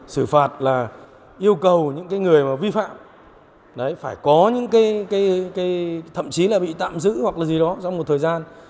xử phạt là yêu cầu những người vi phạm phải có những cái thậm chí là bị tạm giữ hoặc là gì đó trong một thời gian